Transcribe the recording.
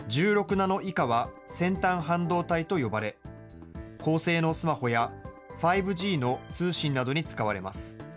ナノ以下は先端半導体と呼ばれ、高性能スマホや、５Ｇの通信などに使われます。